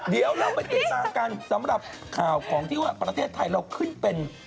เดี๋ยวเราไปติดตามกันสำหรับข่าวของที่ว่าประเทศไทยเราขึ้นเป็น